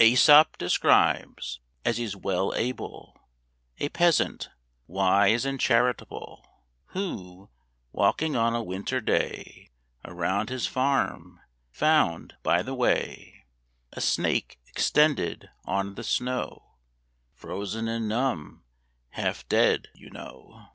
Æsop describes, as he's well able, A Peasant, wise and charitable, Who, walking on a winter day Around his farm, found by the way A snake extended on the snow, Frozen and numb half dead, you know.